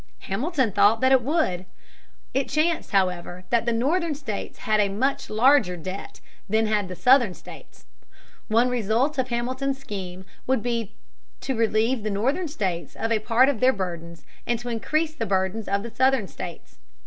Hamilton thought that it would. It chanced, however, that the Northern states had much larger debts than had the Southern states. One result of Hamilton's scheme would be to relieve the Northern states of a part of their burdens and to increase the burdens of the Southern states.